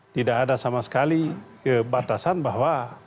tidak ada sama sekali batasan bahwa